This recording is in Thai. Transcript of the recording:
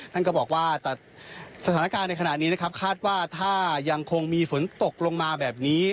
ท่านก็บอกว่าแต่สถานการณ์ในขณะนี้นะครับคาดว่าถ้ายังคงมีฝนตกลงมาแบบนี้